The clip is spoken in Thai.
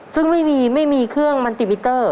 ซึ่งไม่มีไม่มีเครื่องมันติดมิเตอร์